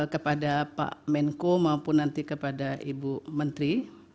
kepada pak menko maupun nanti kepada ibu menteri